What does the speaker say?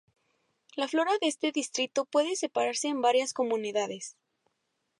La flora de este distrito puede separarse en varias comunidades.